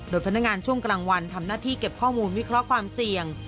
โดยพนักงานช่วงกลางวันทำหน้าที่เก็บข้อมูลวิเคราะห์ความเสี่ยง